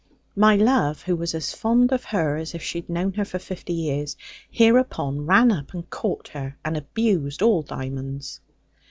My love, who was as fond of her, as if she had known her for fifty years, hereupon ran up and caught her, and abused all diamonds.